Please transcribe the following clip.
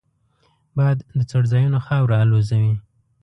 باد د څړځایونو خاوره الوزوي